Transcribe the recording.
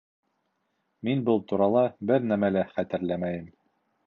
Мин был турала бер нәмә лә хәтерләмәйем